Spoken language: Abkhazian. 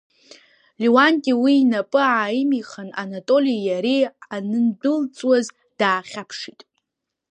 Леуанти уи инапы ааимихын, Анатоли иареи анындәылҵуаз, даахьаԥшит.